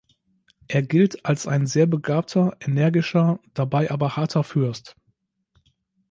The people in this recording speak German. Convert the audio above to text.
Er gilt als ein sehr begabter, energischer, dabei aber harter Fürst.